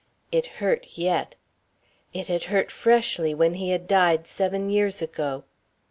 It hurt yet. It had hurt freshly when he had died, seven years ago.